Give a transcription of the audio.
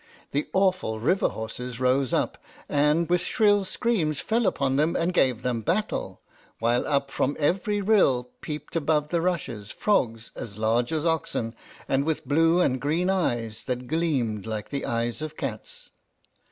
The awful river horses rose up, and, with shrill screams, fell upon them, and gave them battle; while up from every rill peeped above the rushes frogs as large as oxen, and with blue and green eyes that gleamed like the eyes of cats.